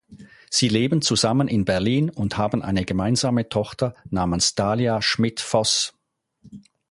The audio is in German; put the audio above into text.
Sie leben zusammen in Berlin und haben eine gemeinsame Tochter namens Dalia Schmidt-Foß.